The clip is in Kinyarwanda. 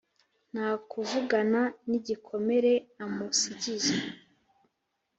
nta kuvugana nigikomere amusigiye